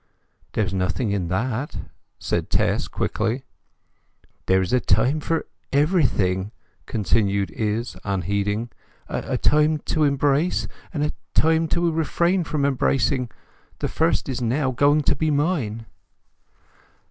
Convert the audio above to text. "There's nothing in that," said Tess quickly. "There's a time for everything," continued Izz, unheeding. "A time to embrace, and a time to refrain from embracing; the first is now going to be mine."